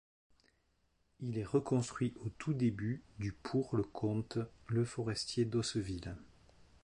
Il est reconstruit au tout début du pour le comte Leforestier d'Osseville.